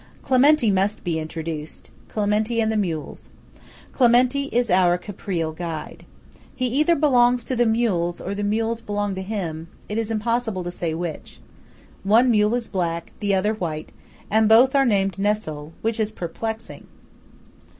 Clementi must be introduced–Clementi and the mules. Clementi is our Caprile guide. He either belongs to the mules or the mules belong to him; it is impossible to say which. One mule is black, the other white, and both are named Nessol; which is perplexing.